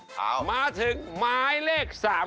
ภูมิสุดท้ายภูมิสุดท้าย